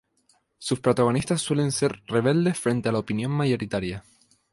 Sus protagonistas suelen ser rebeldes frente a la opinión mayoritaria.